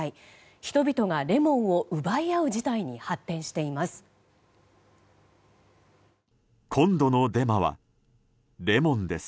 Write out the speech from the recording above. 人々がレモンを奪い合う事態に発展しています。